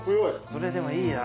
それでもいいな。